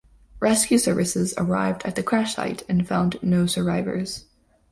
Rescue services arrived at the crash site and found no survivors.